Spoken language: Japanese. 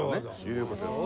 いうことです。